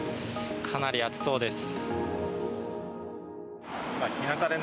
かなり暑そうです。